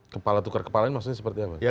kepala tukar kepala ini maksudnya seperti apa